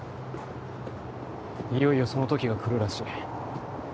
いよいよその時が来るらしい